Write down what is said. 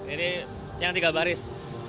jadi yang tiga baris